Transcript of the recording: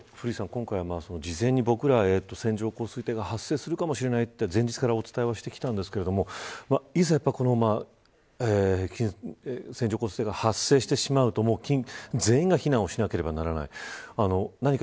今回は事前に僕らは線状降水帯が発生するかもしれないと前日からお伝えしてきたんですがいざ線状降水帯が発生してしまうと全員が避難をしなければならない。